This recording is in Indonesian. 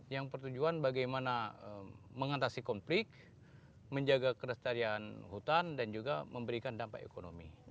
yang bertujuan bagaimana mengatasi konflik menjaga kelestarian hutan dan juga memberikan dampak ekonomi